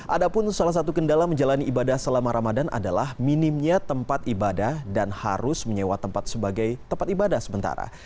ada pun salah satu kendala menjalani ibadah selama ramadan adalah minimnya tempat ibadah dan harus menyewa tempat sebagai tempat ibadah sementara